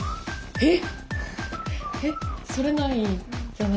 えっ？